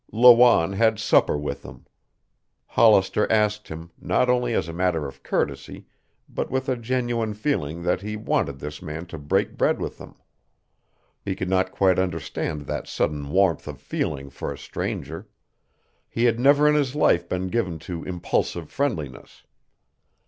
Lawanne had supper with them. Hollister asked him, not only as a matter of courtesy but with a genuine feeling that he wanted this man to break bread with them. He could not quite understand that sudden warmth of feeling for a stranger. He had never in his life been given to impulsive friendliness.